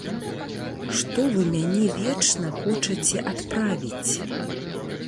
Што вы мяне вечна хочаце адправіць?